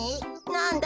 なんだ？